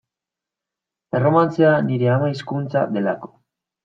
Erromantzea nire ama hizkuntza delako.